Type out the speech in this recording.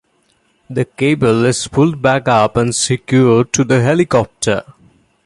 The cable is pulled back up and secured to the helicopter.